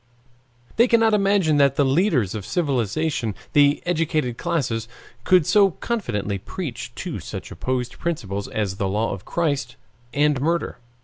They cannot imagine that the leaders of civilization, the educated classes, could so confidently preach two such opposed principles as the law of Christ and murder.